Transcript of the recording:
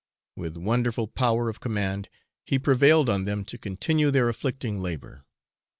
With wonderful power of command, he prevailed on them to continue their afflicting labour.